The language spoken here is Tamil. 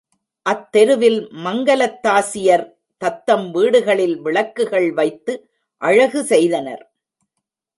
அத்தெருவில் மங்கலத்தாசியர் தத்தம் வீடுகளில் விளக்குகள் வைத்து அழகு செய்தனர்.